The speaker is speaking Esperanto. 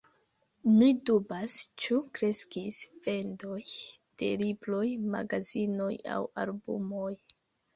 Mi dubas, ĉu kreskis vendoj de libroj, magazinoj aŭ albumoj.